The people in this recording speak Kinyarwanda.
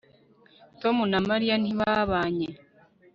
tom na mariya ntibabanye